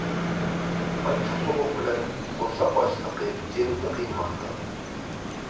ئاچچىق سوغۇق بىلەن قورساق ئاچلىقى جىنىمنى قىينىماقتا.